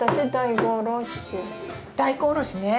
大根おろしね！